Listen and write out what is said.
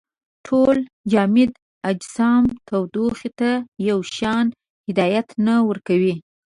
ټول جامد اجسام تودوخې ته یو شان هدایت نه ورکوي.